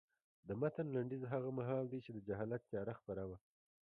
د متن لنډیز هغه مهال دی چې د جهالت تیاره خپره وه.